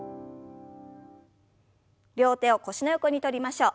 両手を腰の横に取りましょう。